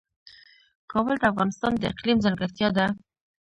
کابل د افغانستان د اقلیم ځانګړتیا ده.